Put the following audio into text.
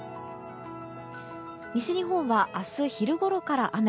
西日本は明日昼ごろから雨。